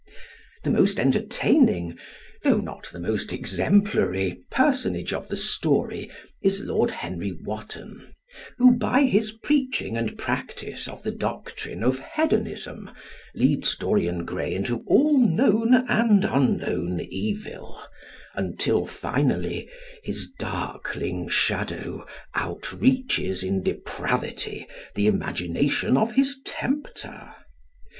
The most entertaining, though not the most exemplary, personage of the story is Lord Henry Wotton, who by his preaching and practice of the doctrine of hedonism leads Dorian Gray into all known and unknown evil, until finally his darkling shadow outreaches in depravity the imagination of his tempter.